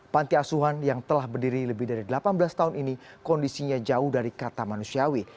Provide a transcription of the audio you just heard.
panti asuhan yang telah berdiri lebih dari delapan belas tahun ini kondisinya jauh dari kata manusiawi